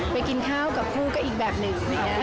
ไปกินข้าวกับคู่ก็อีกแบบหนึ่ง